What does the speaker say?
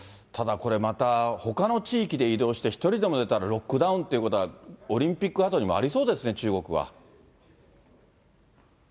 ただ、これ、またほかの地域で移動して、１人でも出たらロックダウンってことはオリンピックあとにもありそうですね、中国は。